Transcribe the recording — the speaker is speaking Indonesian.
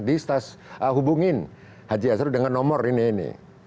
di stas hubungin haji asrul dengan nomor ini ini